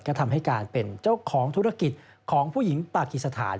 ก็ทำให้การเป็นเจ้าของธุรกิจของผู้หญิงปากีสถาน